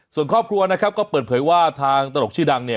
ส่วนครอบครัวนะครับก็เปิดเผยว่าทางตลกชื่อดังเนี่ย